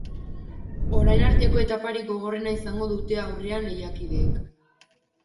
Orain arteko etaparik gogorrena izango dute aurrean lehiakideek.